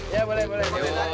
ya boleh boleh